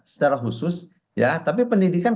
secara khusus ya tapi pendidikan